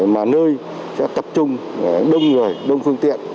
mà nơi sẽ tập trung đông người đông phương tiện